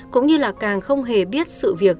cũng như là càng không hề biết sự việc